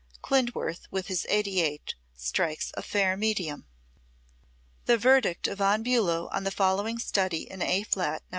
Klindworth, with his 88, strikes a fair medium. The verdict of Von Bulow on the following study in A flat, No.